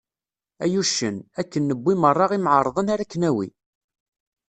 Ay uccen, akken newwi meṛṛa imεerḍen ara ak-nawi.